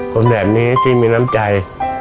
คนแบบนี้ที่มีน้ำใจ